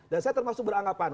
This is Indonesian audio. dan saya termasuk beranggapan